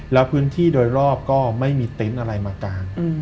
แล้วพื้นที่โดยรอบก็ไม่มีเต็นต์อะไรมากาง